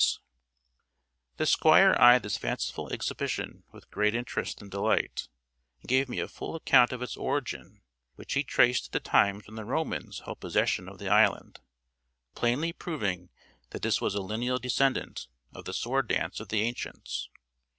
The Squire eyed this fanciful exhibition with great interest and delight, and gave me a full account of its origin, which he traced to the times when the Romans held possession of the island; plainly proving that this was a lineal descendant of the sword dance of the ancients.